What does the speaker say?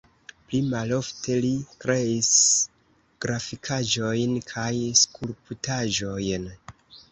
Pli malofte li kreis grafikaĵojn kaj skulptaĵojn.